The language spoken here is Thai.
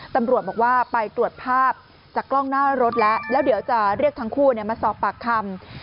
ตำรวจบอกว่าไปตรวจภาพจากกล้องหน้ารถแล้วแล้วเดี๋ยวจะเรียกทั้งคู่มาสอบปากคำ